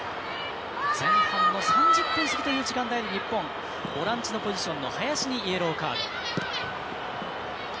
前半の３０分過ぎという時間帯でボランチのポジションの林にイエローカード。